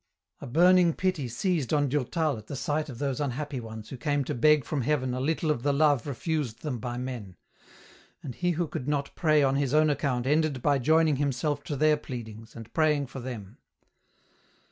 A burning pity seized on Durtal at the sight of those unhappy ones who came to beg from Heaven a little of the 76 EN ROUTE. love refused them by men ; and he who could not pray on his own account ended by joining himself to their pleadings, and praying for them.